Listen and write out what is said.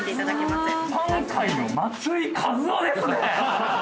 いただきます。